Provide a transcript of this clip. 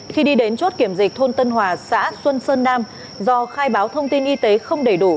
khi đi đến chốt kiểm dịch thôn tân hòa xã xuân sơn nam do khai báo thông tin y tế không đầy đủ